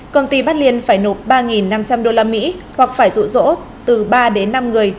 công ty bắt liên phải nộp ba năm trăm linh usd hoặc phải rụ rỗ từ ba đến năm người